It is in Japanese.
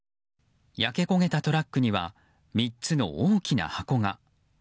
焼け焦げたトラックには３つの大きな箱が。